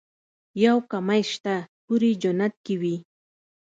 يو کمی شته حورې جنت کې وي.